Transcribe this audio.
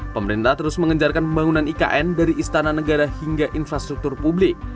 pemerintah terus mengejarkan pembangunan ikn dari istana negara hingga infrastruktur publik